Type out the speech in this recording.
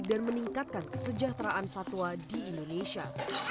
dan meningkatkan kesejahteraan satwa di indonesia